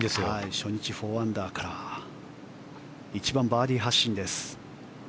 初日、４アンダーから１番、バーディー発進です。